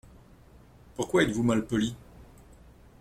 Pourquoi êtes-vous malpoli ?